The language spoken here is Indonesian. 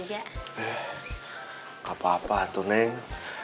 gak apa apa tuh neng